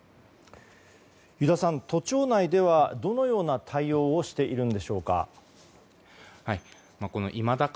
油田さん、都庁内ではどのような対応をしているのでしょうか。